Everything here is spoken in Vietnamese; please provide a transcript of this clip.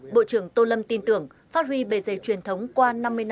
bộ trưởng tô lâm tin tưởng phát huy bề dày truyền thống qua năm mươi năm